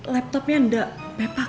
laptopnya enggak bepa kek